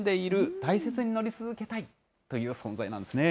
大切に乗り続けたいという存在なんですね。